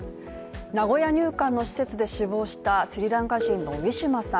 名古屋入管の施設で死亡したスリランカ人のウィシュマさん